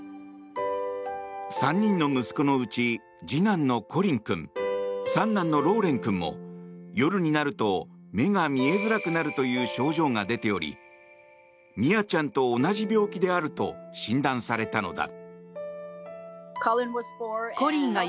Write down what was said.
３人の息子のうち次男のコリン君三男のローレン君も夜になると目が見えづらくなるという症状が出ておりミアちゃんと同じ病気であると診断されたのだ。